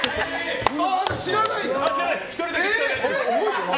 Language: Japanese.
知らないんだ。